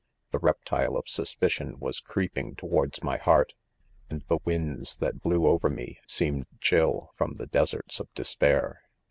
The reptile of suspicion was creeping towards my heart, and the winds that blew over me, seemed chill from the des erts of despair.